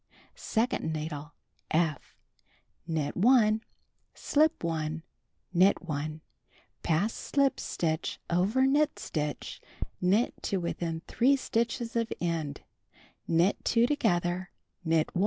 2d needle — (F) Knit 1, slip 1, knit 1, pass slipped stitch over knit stitch, knit to within 3 stitches of end, knit 2 together, knit 1.